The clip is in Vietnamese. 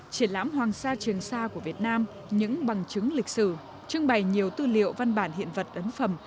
triển lãm hoàng sa trường sa của việt nam những bằng chứng lịch sử trưng bày nhiều tư liệu văn bản hiện vật ấn phẩm